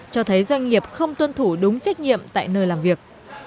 cho thấy doanh nghiệp không tuân thủ đúng trách nhiệm tại nơi làm việc